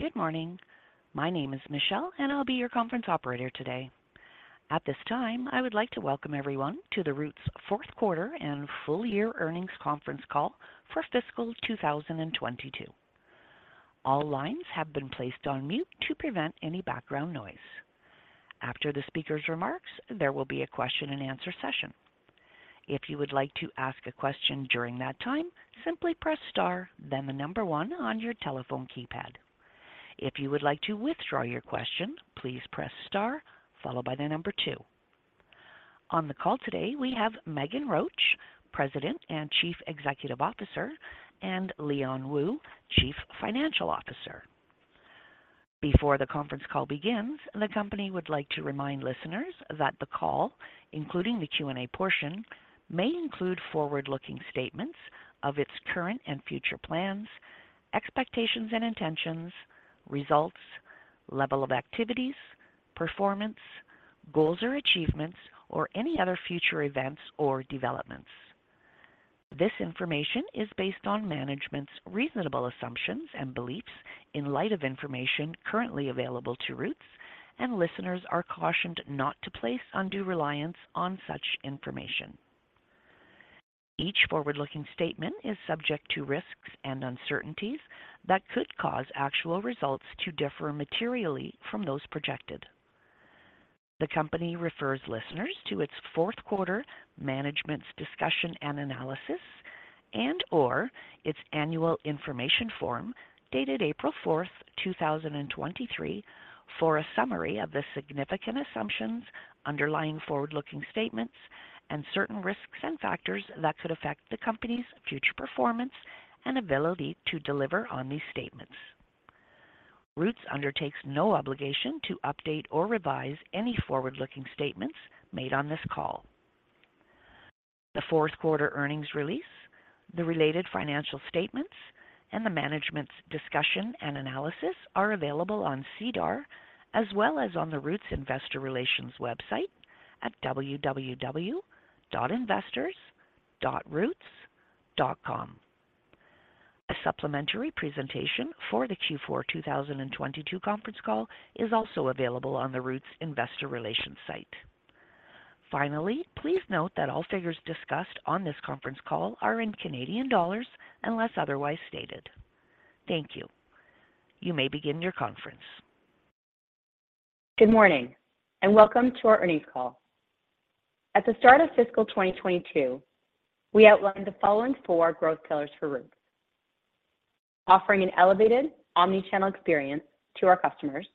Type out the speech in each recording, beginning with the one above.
Good morning. My name is Michelle. I'll be your conference operator today. At this time, I would like to welcome everyone to The Roots Fourth Quarter and Full Year Earnings Conference Call for Fiscal 2022. All lines have been placed on mute to prevent any background noise. After the speaker's remarks, there will be a question-and-answer session. If you would like to ask a question during that time, simply press star, the one on your telephone keypad. If you would like to withdraw your question, please press star followed by the two. On the call today, we have Meghan Roach, President and Chief Executive Officer, and Leon Wu, Chief Financial Officer. Before the conference call begins, the company would like to remind listeners that the call, including the Q&A portion, may include forward-looking statements of its current and future plans, expectations and intentions, results, level of activities, performance, goals or achievements, or any other future events or developments. This information is based on management's reasonable assumptions and beliefs in light of information currently available to Roots, and listeners are cautioned not to place undue reliance on such information. Each forward-looking statement is subject to risks and uncertainties that could cause actual results to differ materially from those projected. The company refers listeners to its fourth quarter management's discussion and analysis and/or its annual information form dated April 4, 2023, for a summary of the significant assumptions underlying forward-looking statements and certain risks and factors that could affect the company's future performance and ability to deliver on these statements. Roots undertakes no obligation to update or revise any forward-looking statements made on this call. The fourth quarter earnings release, the related financial statements, and the management's discussion and analysis are available on SEDAR as well as on the Roots investor relations website at www.investors.roots.com. A supplementary presentation for the Q4 2022 conference call is also available on the Roots investor relations site. Please note that all figures discussed on this conference call are in Canadian dollars unless otherwise stated. Thank you. You may begin your conference. Good morning and welcome to our earnings call. At the start of fiscal 2022, we outlined the following four growth pillars for Roots: offering an elevated omni-channel experience to our customers,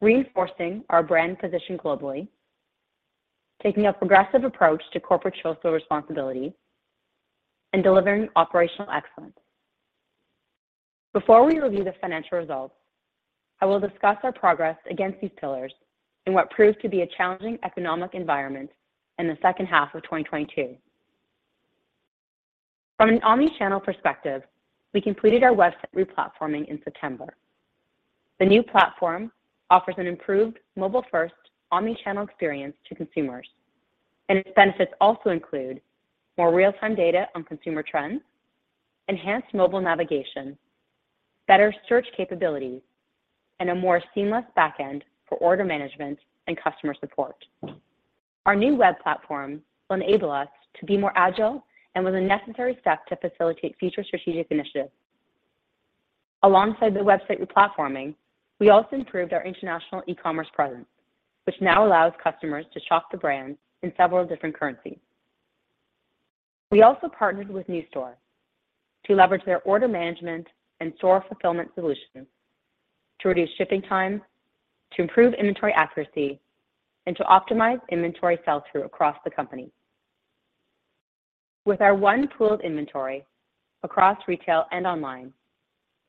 reinforcing our brand position globally, taking a progressive approach to corporate social responsibility, and delivering operational excellence. Before we review the financial results, I will discuss our progress against these pillars in what proved to be a challenging economic environment in the second half of 2022. From an omni-channel perspective, we completed our website re-platforming in September. Its benefits also include more real-time data on consumer trends, enhanced mobile navigation, better search capabilities, and a more seamless back end for order management and customer support. Our new web platform will enable us to be more agile and was a necessary step to facilitate future strategic initiatives. Alongside the website re-platforming, we also improved our international e-commerce presence, which now allows customers to shop the brand in several different currencies. We also partnered with NewStore to leverage their order management and store fulfillment solutions to reduce shipping time, to improve inventory accuracy, and to optimize inventory sell-through across the company. With our one pool of inventory across retail and online,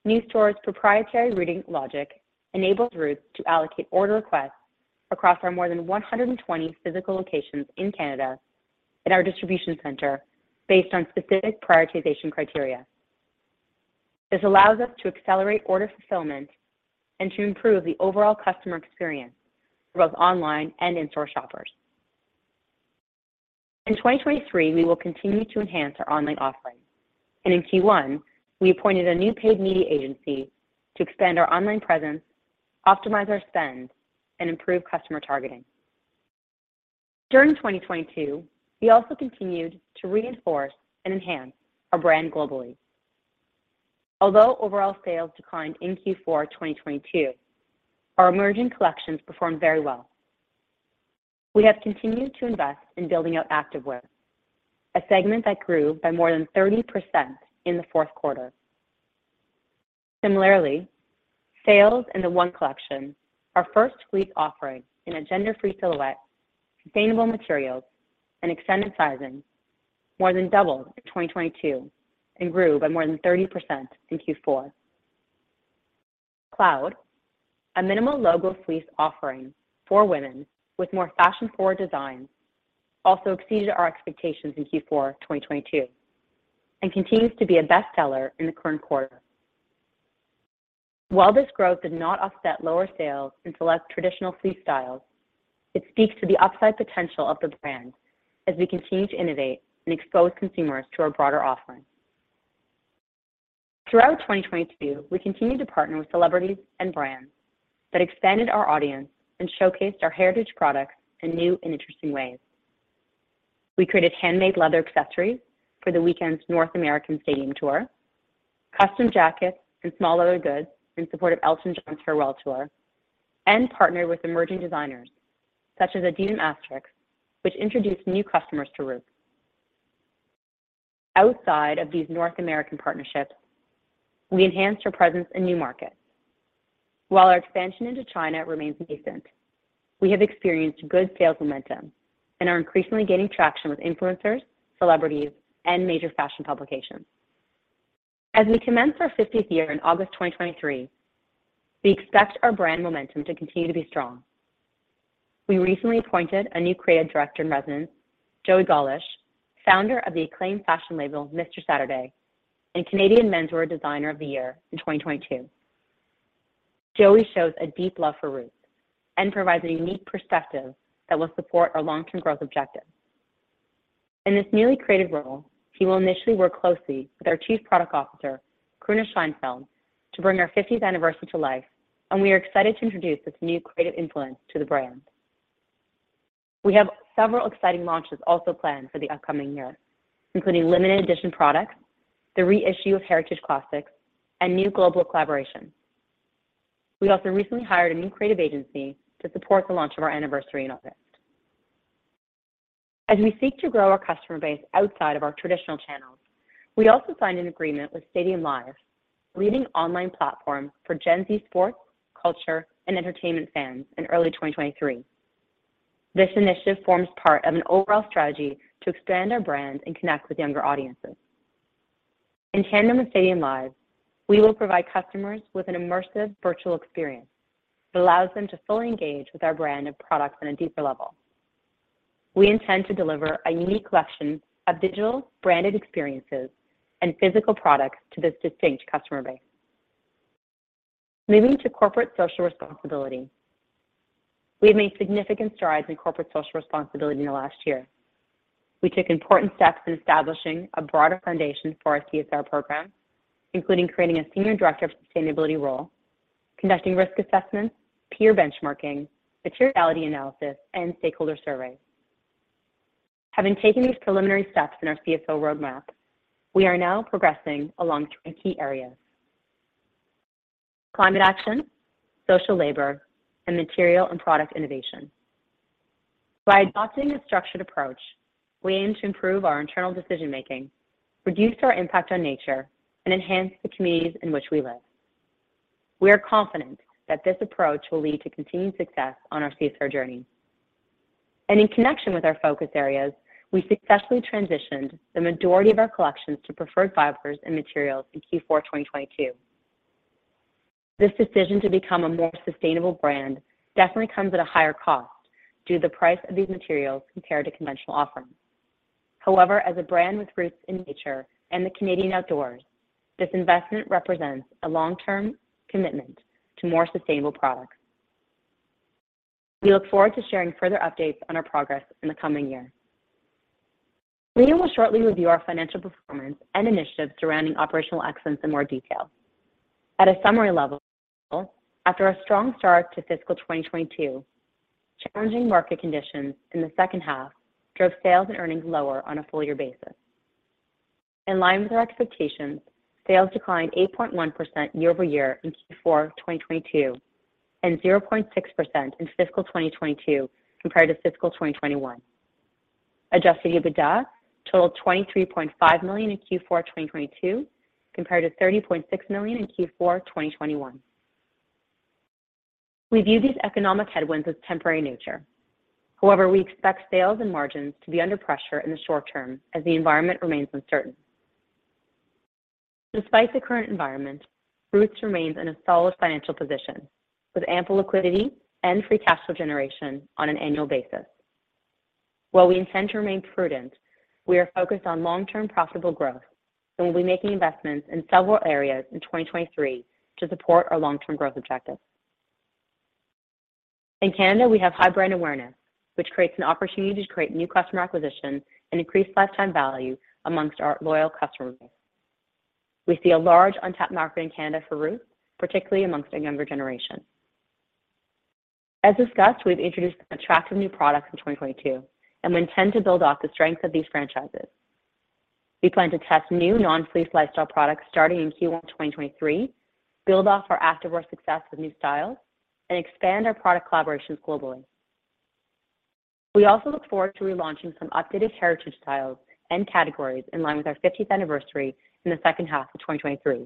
NewStore's proprietary reading logic enables Roots to allocate order requests across our more than 120 physical locations in Canada and our distribution center based on specific prioritization criteria. This allows us to accelerate order fulfillment and to improve the overall customer experience for both online and in-store shoppers. In 2023, we will continue to enhance our online offering, and in Q1, we appointed a new paid media agency to expand our online presence, optimize our spend, and improve customer targeting. During 2022, we also continued to reinforce and enhance our brand globally. Although overall sales declined in Q4 2022, our emerging collections performed very well. We have continued to invest in building out activewear, a segment that grew by more than 30% in the fourth quarter. Similarly, sales in the One Collection, our first fleece offering in a gender-free silhouette, sustainable materials, and extended sizing, more than doubled in 2022 and grew by more than 30% in Q4. Cloud, a minimal logo fleece offering for women with more fashion-forward designs, also exceeded our expectations in Q4 2022 and continues to be a best seller in the current quarter. This growth did not offset lower sales in select traditional sleep styles. It speaks to the upside potential of the brand as we continue to innovate and expose consumers to our broader offering. Throughout 2022, we continued to partner with celebrities and brands that expanded our audience and showcased our heritage products in new and interesting ways. We created handmade leather accessories for The Weeknd's North American stadium tour, custom jackets and small leather goods in support of Elton John's farewell tour, and partnered with emerging designers such as Adidem Asterisks*, which introduced new customers to Roots. Outside of these North American partnerships, we enhanced our presence in new markets. While our expansion into China remains nascent, we have experienced good sales momentum and are increasingly gaining traction with influencers, celebrities, and major fashion publications. As we commence our fiftieth year in August 2023, we expect our brand momentum to continue to be strong. We recently appointed a new creative director in residence, Joey Gollish, founder of the acclaimed fashion label Mr. Saturday, and Canadian Men's Wear Designer of the Year in 2022. Joey shows a deep love for Roots and provides a unique perspective that will support our long-term growth objectives. In this newly created role, he will initially work closely with our Chief Product Officer, Karuna Scheinfeld, to bring our 50th anniversary to life. We are excited to introduce this new creative influence to the brand. We have several exciting launches also planned for the upcoming year, including limited edition products, the reissue of heritage classics, and new global collaborations. We also recently hired a new creative agency to support the launch of our anniversary in August. As we seek to grow our customer base outside of our traditional channels, we also signed an agreement with Stadium Live, a leading online platform for Gen Z sports, culture and entertainment fans in early 2023. This initiative forms part of an overall strategy to expand our brand and connect with younger audiences. In tandem with Stadium Live, we will provide customers with an immersive virtual experience that allows them to fully engage with our brand and products on a deeper level. We intend to deliver a unique collection of digital branded experiences and physical products to this distinct customer base. Moving to corporate social responsibility. We have made significant strides in corporate social responsibility in the last year. We took important steps in establishing a broader foundation for our CSR program, including creating a senior director of sustainability role, conducting risk assessments, peer benchmarking, materiality analysis, and stakeholder surveys. Having taken these preliminary steps in our CSR roadmap, we are now progressing along three key areas: climate action, social labor, and material and product innovation. By adopting a structured approach, we aim to improve our internal decision-making, reduce our impact on nature, and enhance the communities in which we live. We are confident that this approach will lead to continued success on our CSR journey. In connection with our focus areas, we successfully transitioned the majority of our collections to preferred fibers and materials in Q4 2022. This decision to become a more sustainable brand definitely comes at a higher cost due to the price of these materials compared to conventional offerings. However, as a brand with roots in nature and the Canadian outdoors, this investment represents a long-term commitment to more sustainable products. We look forward to sharing further updates on our progress in the coming year. Leo will shortly review our financial performance and initiatives surrounding operational excellence in more detail. At a summary level, after a strong start to fiscal 2022, challenging market conditions in the second half drove sales and earnings lower on a full year basis. In line with our expectations, sales declined 8.1% year-over-year in Q4 2022 and 0.6% in fiscal 2022 compared to fiscal 2021. Adjusted EBITDA totaled 23.5 million in Q4 2022 compared to 30.6 million in Q4 2021. We view these economic headwinds as temporary nature. We expect sales and margins to be under pressure in the short term as the environment remains uncertain. Despite the current environment, Roots remains in a solid financial position with ample liquidity and free cash flow generation on an annual basis. While we intend to remain prudent, we are focused on long-term profitable growth and will be making investments in several areas in 2023 to support our long-term growth objectives. In Canada, we have high brand awareness, which creates an opportunity to create new customer acquisition and increase lifetime value amongst our loyal customer base. We see a large untapped market in Canada for Roots, particularly amongst our younger generation. As discussed, we've introduced attractive new products in 2022, and we intend to build off the strength of these franchises. We plan to test new non-fleece lifestyle products starting in Q1 2023, build off our activewear success with new styles, and expand our product collaborations globally. We also look forward to relaunching some updated heritage styles and categories in line with our 50th anniversary in the second half of 2023.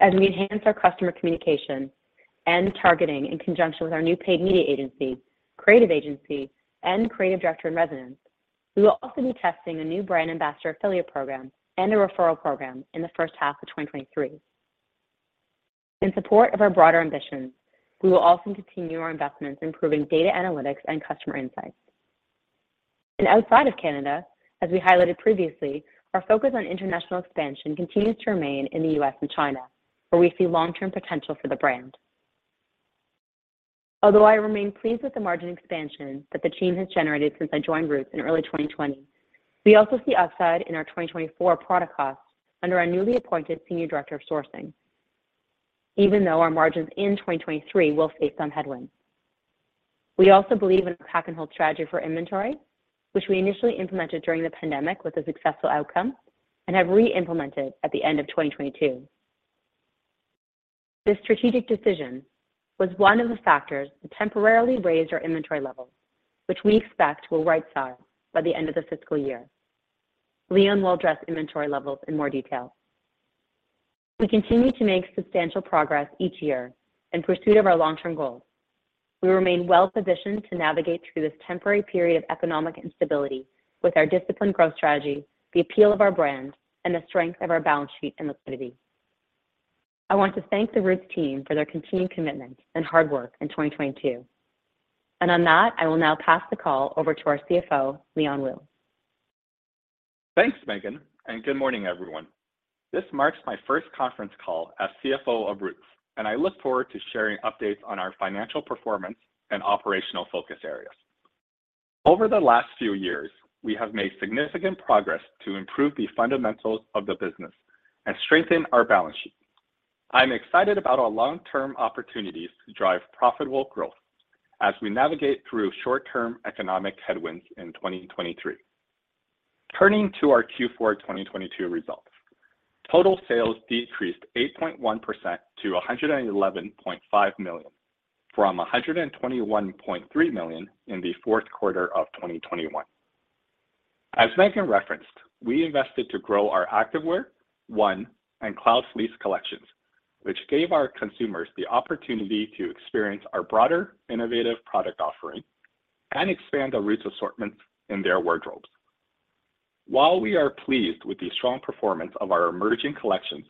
As we enhance our customer communication and targeting in conjunction with our new paid media agency, creative agency, and Creative Director in Residence, we will also be testing a new brand ambassador affiliate program and a referral program in the first half of 2023. In support of our broader ambitions, we will also continue our investments in improving data analytics and customer insights. Outside of Canada, as we highlighted previously, our focus on international expansion continues to remain in the U.S. and China, where we see long-term potential for the brand. I remain pleased with the margin expansion that the team has generated since I joined Roots in early 2020, we also see upside in our 2024 product costs under our newly appointed Senior Director of Sourcing, even though our margins in 2023 will face some headwinds. We also believe in our pack-and-hold strategy for inventory, which we initially implemented during the pandemic with a successful outcome and have re-implemented at the end of 2022. This strategic decision was one of the factors that temporarily raised our inventory levels, which we expect will right-size by the end of the fiscal year. Leon will address inventory levels in more detail. We continue to make substantial progress each year in pursuit of our long-term goals. We remain well-positioned to navigate through this temporary period of economic instability with our disciplined growth strategy, the appeal of our brand, and the strength of our balance sheet and liquidity. I want to thank the Roots team for their continued commitment and hard work in 2022. On that, I will now pass the call over to our CFO, Leon Wu. Thanks, Meghan, and good morning, everyone. This marks my first conference call as CFO of Roots, and I look forward to sharing updates on our financial performance and operational focus areas. Over the last few years, we have made significant progress to improve the fundamentals of the business and strengthen our balance sheet. I'm excited about our long-term opportunities to drive profitable growth as we navigate through short-term economic headwinds in 2023. Turning to our Q4 2022 results. Total sales decreased 8.1% to 111.5 million from 121.3 million in the fourth quarter of 2021. As Meghan referenced, we invested to grow our activewear, One, and Cloud Fleece collections, which gave our consumers the opportunity to experience our broader, innovative product offering and expand the Roots assortment in their wardrobes. While we are pleased with the strong performance of our emerging collections,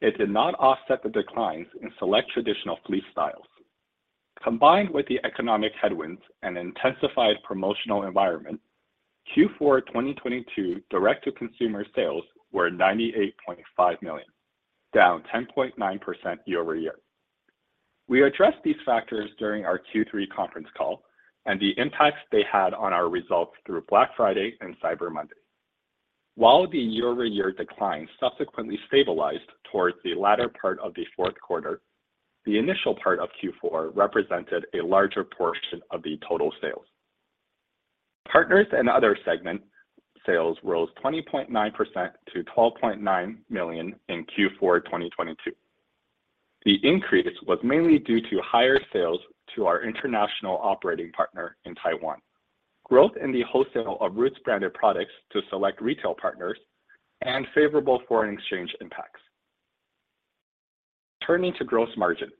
it did not offset the declines in select traditional fleece styles. Combined with the economic headwinds and intensified promotional environment, Q4 2022 direct-to-consumer sales were 98.5 million, down 10.9% year-over-year. We addressed these factors during our Q3 conference call and the impacts they had on our results through Black Friday and Cyber Monday. While the year-over-year decline subsequently stabilized towards the latter part of the fourth quarter, the initial part of Q4 represented a larger portion of the total sales. Partners and other segment sales rose 20.9% to 12.9 million in Q4 2022. The increase was mainly due to higher sales to our international operating partner in Taiwan. Growth in the wholesale of Roots-branded products to select retail partners and favorable foreign exchange impacts. Turning to gross margin.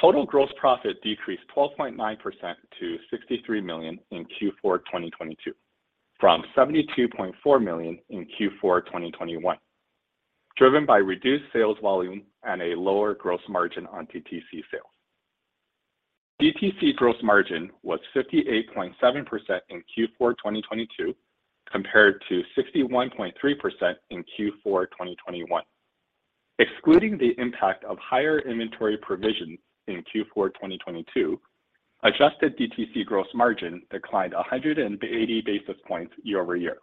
Total gross profit decreased 12.9% to 63 million in Q4 2022 from 72.4 million in Q4 2021, driven by reduced sales volume and a lower gross margin on DTC sales. DTC gross margin was 58.7% in Q4 2022 compared to 61.3% in Q4 2021. Excluding the impact of higher inventory provisions in Q4 2022, adjusted DTC gross margin declined 180 basis points year-over-year.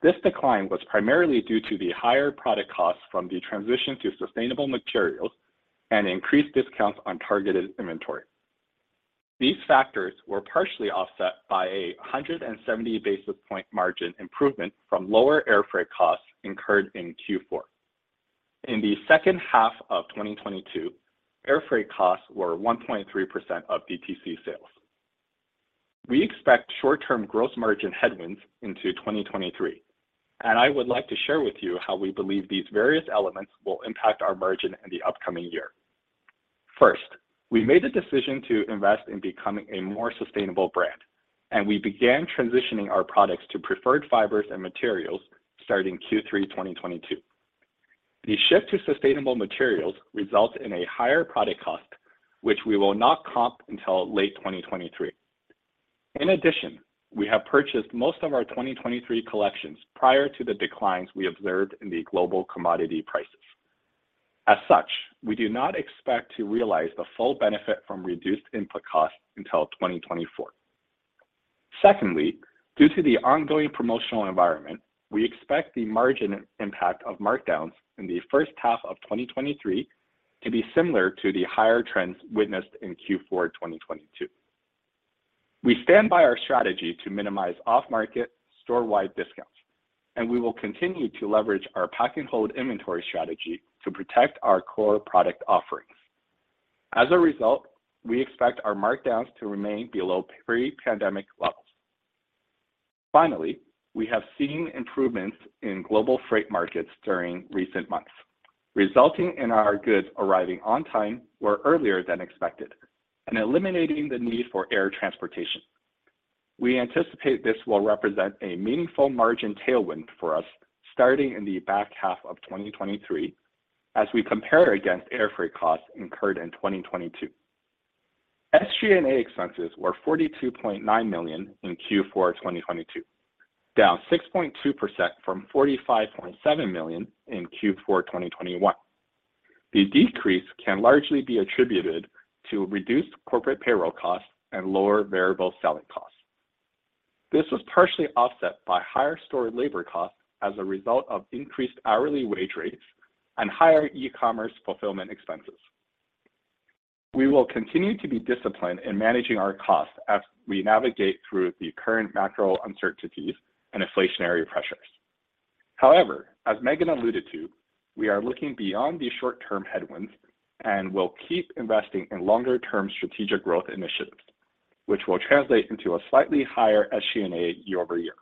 This decline was primarily due to the higher product costs from the transition to sustainable materials and increased discounts on targeted inventory. These factors were partially offset by a 170 basis point margin improvement from lower air freight costs incurred in Q4. In the second half of 2022, air freight costs were 1.3% of DTC sales. We expect short-term gross margin headwinds into 2023. I would like to share with you how we believe these various elements will impact our margin in the upcoming year. First, we made a decision to invest in becoming a more sustainable brand, and we began transitioning our products to preferred fibers and materials starting Q3 2022. The shift to sustainable materials result in a higher product cost, which we will not comp until late 2023. We have purchased most of our 2023 collections prior to the declines we observed in the global commodity prices. We do not expect to realize the full benefit from reduced input costs until 2024. Secondly, due to the ongoing promotional environment, we expect the margin impact of markdowns in the first half of 2023 to be similar to the higher trends witnessed in Q4 2022. We stand by our strategy to minimize off-market storewide discounts, and we will continue to leverage our pack-and-hold inventory strategy to protect our core product offerings. As a result, we expect our markdowns to remain below pre-pandemic levels. Finally, we have seen improvements in global freight markets during recent months, resulting in our goods arriving on time or earlier than expected and eliminating the need for air transportation. We anticipate this will represent a meaningful margin tailwind for us starting in the back half of 2023 As we compare against air freight costs incurred in 2022. SG&A expenses were 42.9 million in Q4 2022, down 6.2% from 45.7 million in Q4 2021. The decrease can largely be attributed to reduced corporate payroll costs and lower variable selling costs. This was partially offset by higher store labor costs as a result of increased hourly wage rates and higher e-commerce fulfillment expenses. We will continue to be disciplined in managing our costs as we navigate through the current macro uncertainties and inflationary pressures. However, as Meghan alluded to, we are looking beyond these short-term headwinds and will keep investing in longer-term strategic growth initiatives, which will translate into a slightly higher SG&A year-over-year.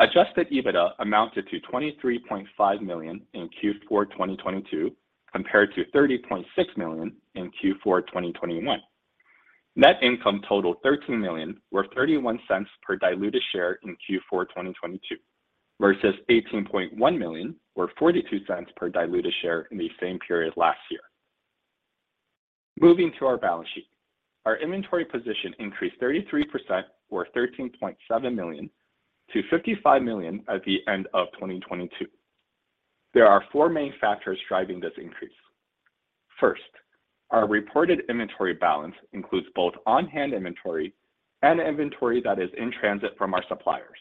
Adjusted EBITDA amounted to CAD 23.5 million in Q4 2022, compared to CAD 30.6 million in Q4 2021. Net income totaled CAD 13 million, or 0.31 per diluted share in Q4 2022, vs CAD 18.1 million or 0.42 per diluted share in the same period last year. Moving to our balance sheet. Our inventory position increased 33% or 13.7 million to 55 million at the end of 2022. There are 4 main factors driving this increase. First, our reported inventory balance includes both on-hand inventory and inventory that is in transit from our suppliers.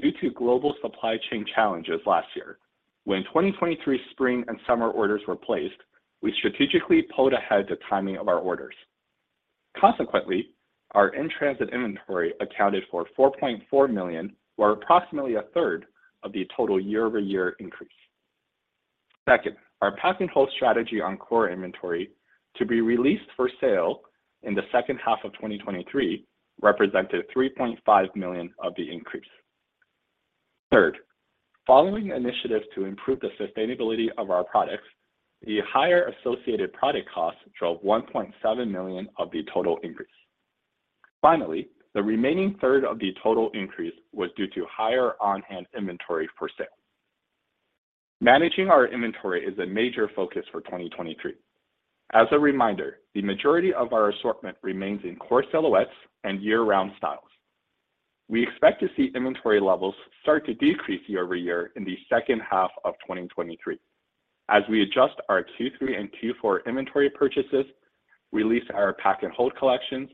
Due to global supply chain challenges last year, when 2023 spring and summer orders were placed, we strategically pulled ahead the timing of our orders. Consequently, our in-transit inventory accounted for 4.4 million, or approximately 1/3 of the total year-over-year increase. Second, our pack-and-hold strategy on core inventory to be released for sale in the second half of 2023 represented 3.5 million of the increase. Third, following initiatives to improve the sustainability of our products, the higher associated product costs drove 1.7 million of the total increase. Finally, the remaining third of the total increase was due to higher on-hand inventory for sale. Managing our inventory is a major focus for 2023. As a reminder, the majority of our assortment remains in core silhouettes and year-round styles. We expect to see inventory levels start to decrease year-over-year in the second half of 2023 as we adjust our Q3 and Q4 inventory purchases, release our pack-and-hold collections,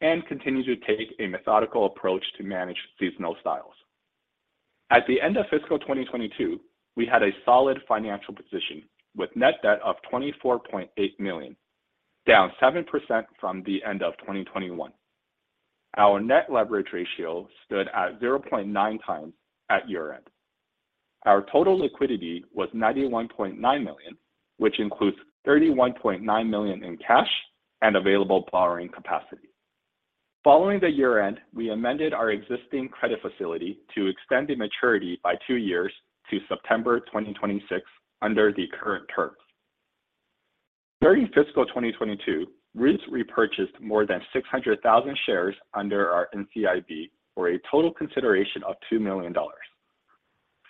and continue to take a methodical approach to manage seasonal styles. At the end of fiscal 2022, we had a solid financial position with net debt of 24.8 million, down 7% from the end of 2021. Our net leverage ratio stood at 0.9 times at year-end. Our total liquidity was 91.9 million, which includes 31.9 million in cash and available borrowing capacity. Following the year-end, we amended our existing credit facility to extend the maturity by two years to September 2026 under the current terms. During fiscal 2022, Roots repurchased more than 600,000 shares under our NCIB for a total consideration of 2 million dollars.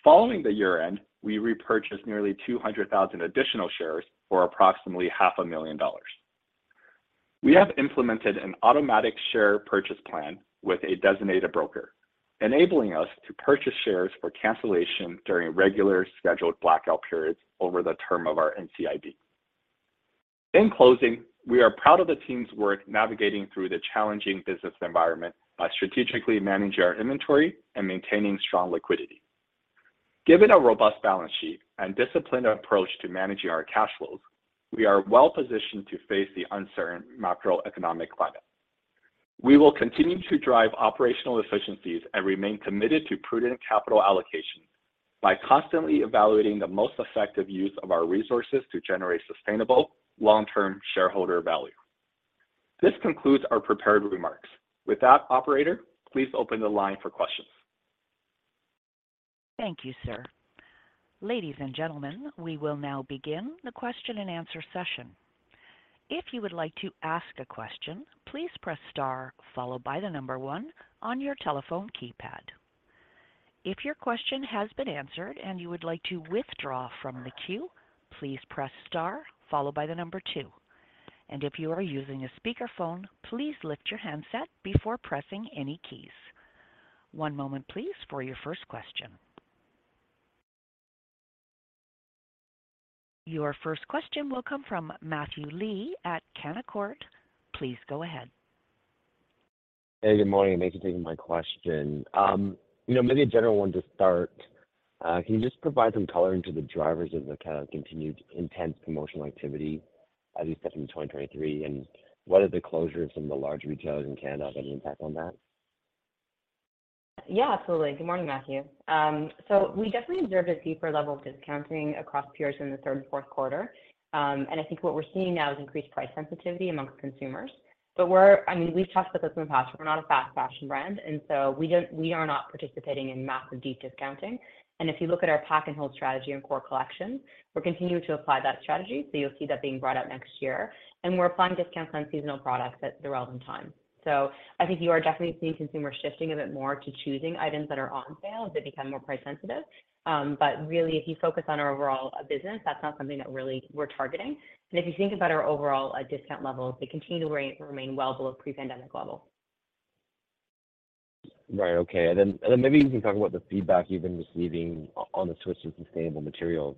Following the year-end, we repurchased nearly 200,000 additional shares for approximately half a million CAD. We have implemented an automatic share purchase plan with a designated broker, enabling us to purchase shares for cancellation during regular scheduled blackout periods over the term of our NCIB. In closing, we are proud of the team's work navigating through the challenging business environment by strategically managing our inventory and maintaining strong liquidity. Given a robust balance sheet and disciplined approach to managing our cash flows, we are well positioned to face the uncertain macroeconomic climate. We will continue to drive operational efficiencies and remain committed to prudent capital allocation by constantly evaluating the most effective use of our resources to generate sustainable long-term shareholder value. This concludes our prepared remarks. With that, operator, please open the line for questions. Thank you, sir. Ladies and gentlemen, we will now begin the question and answer session. If you would like to ask a question, please press star followed by the number one on your telephone keypad. If your question has been answered and you would like to withdraw from the queue, please press star followed by the number two. And if you are using a speakerphone, please lift your handset before pressing any keys. One moment please for your first question. Your first question will come from Matthew Lee at Canaccord. Please go ahead. Hey, good morning. Thanks for taking my question. You know, maybe a general one to start. Can you just provide some color into the drivers of the kind of continued intense promotional activity as you step into 2023, and what are the closures from the large retailers in Canada have any impact on that? Yeah, absolutely. Good morning, Matthew. We definitely observed a deeper level of discounting across peers in the third and fourth quarter. I think what we're seeing now is increased price sensitivity amongst consumers. We're, I mean, we've talked about this in the past. We're not a fast fashion brand, we are not participating in massive deep discounting. If you look at our pack-and-hold strategy and core collections, we're continuing to apply that strategy. You'll see that being brought out next year. We're applying discounts on seasonal products at the relevant time. I think you are definitely seeing consumers shifting a bit more to choosing items that are on sale as they become more price sensitive. Really, if you focus on our overall business, that's not something that really we're targeting. If you think about our overall, discount levels, they continue to remain well below pre-pandemic levels. Right. Okay. Maybe you can talk about the feedback you've been receiving on the switch to sustainable materials.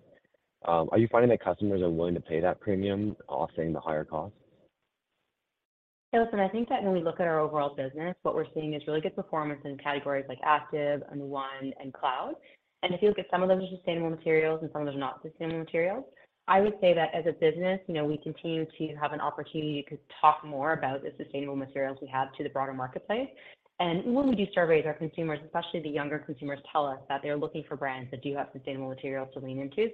Are you finding that customers are willing to pay that premium offsetting the higher costs? Listen, I think that when we look at our overall business, what we're seeing is really good performance in categories like active and One and Cloud. If you look at some of those sustainable materials and some of them are not sustainable materials, I would say that as a business, you know, we continue to have an opportunity to talk more about the sustainable materials we have to the broader marketplace. When we do surveys, our consumers, especially the younger consumers, tell us that they're looking for brands that do have sustainable materials to lean into.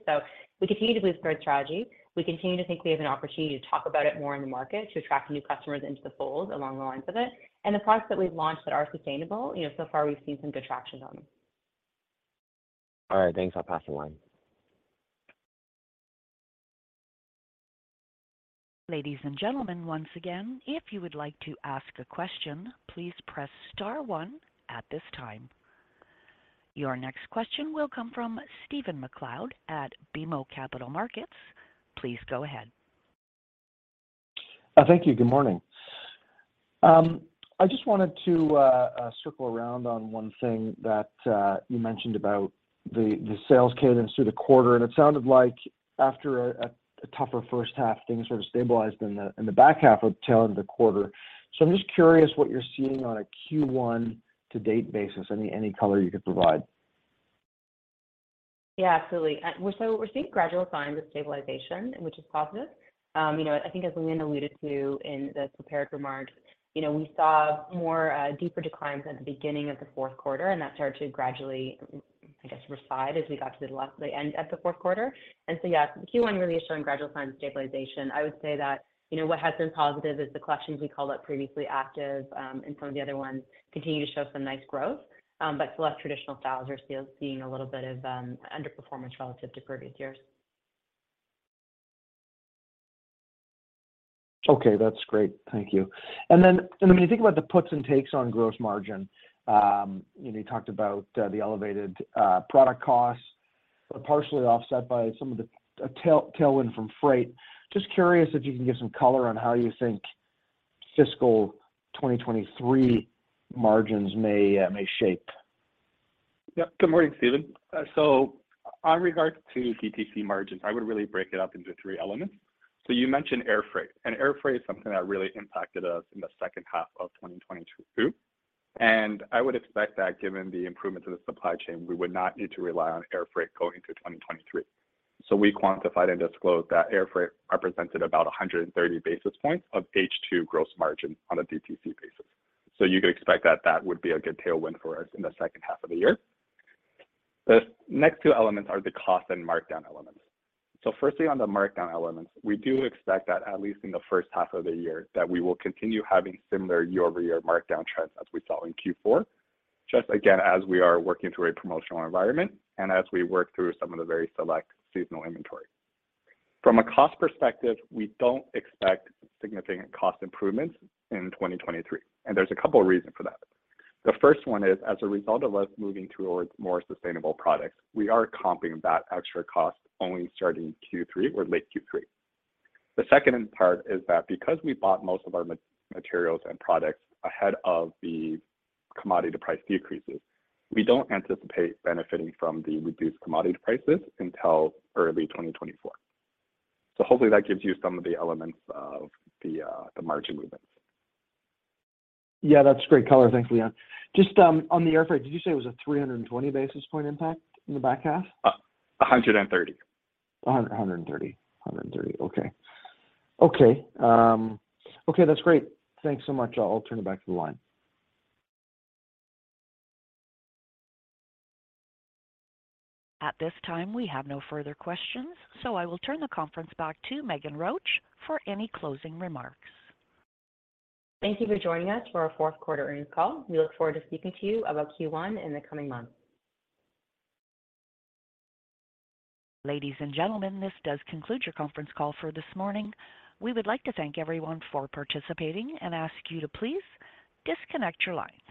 We continue to believe in our growth strategy. We continue to think we have an opportunity to talk about it more in the market to attract new customers into the fold along the lines of it. The products that we've launched that are sustainable, you know, so far we've seen some good traction on them. All right. Thanks. I'll pass the line. Ladies and gentlemen, once again, if you would like to ask a question, please press star one at this time. Your next question will come from Stephen MacLeod at BMO Capital Markets. Please go ahead. Thank you. Good morning. I just wanted to circle around on one thing that you mentioned about the sales cadence through the quarter, and it sounded like after a tougher first half, things sort of stabilized in the back half of tail end of the quarter. I'm just curious what you're seeing on a Q1 to date basis. Any color you could provide? Absolutely. We're seeing gradual signs of stabilization, which is positive. You know, I think as Leon alluded to in the prepared remarks, you know, we saw more deeper declines at the beginning of the fourth quarter, and that started to gradually, I guess, reside as we got to the end of the fourth quarter. Q1 really is showing gradual signs of stabilization. I would say that, you know, what has been positive is the collections we called out previously active, and some of the other ones continue to show some nice growth. But select traditional styles are still seeing a little bit of underperformance relative to previous years. Okay, that's great. Thank you. When you think about the puts and takes on gross margin, you know, you talked about the elevated product costs but partially offset by some of the tailwind from freight. Just curious if you can give some color on how you think fiscal 2023 margins may shape? Yeah. Good morning, Stephen. On regards to DTC margins, I would really break it up into three elements. You mentioned air freight, air freight is something that really impacted us in the second half of 2022. I would expect that given the improvements in the supply chain, we would not need to rely on air freight going through 2023. We quantified and disclosed that air freight represented about 130 basis points of H2 gross margin on a DTC basis. You could expect that that would be a good tailwind for us in the second half of the year. The next two elements are the cost and markdown elements. Firstly, on the markdown elements, we do expect that at least in the first half of the year, that we will continue having similar year-over-year markdown trends as we saw in Q4. Just again, as we are working through a promotional environment and as we work through some of the very select seasonal inventory. From a cost perspective, we don't expect significant cost improvements in 2023, and there's a couple of reasons for that. The first one is, as a result of us moving towards more sustainable products, we are comping that extra cost only starting Q3 or late Q3. The second part is that because we bought most of our materials and products ahead of the commodity price decreases, we don't anticipate benefiting from the reduced commodity prices until early 2024. Hopefully that gives you some of the elements of the margin movements. Yeah, that's great color. Thanks, Leon. Just on the air freight, did you say it was a 320 basis point impact in the back half? 130. 130. Okay. That's great. Thanks so much. I'll turn it back to the line. At this time, we have no further questions, so I will turn the conference back to Meghan Roach for any closing remarks. Thank you for joining us for our fourth quarter earnings call. We look forward to speaking to you about Q1 in the coming months. Ladies and gentlemen, this does conclude your conference call for this morning. We would like to thank everyone for participating and ask you to please disconnect your lines.